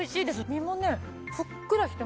身もねふっくらしてます。